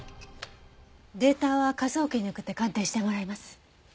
データは科捜研に送って鑑定してもらいます。